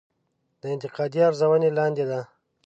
دا انتقادي ارزونې لاندې ده.